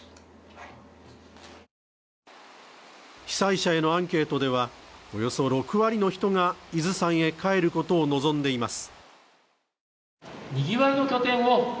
被災者へのアンケートでは、およそ６割の人が伊豆山へ帰ることを望んでいます。